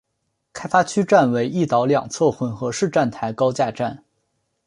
开发区站为一岛两侧混合式站台高架站。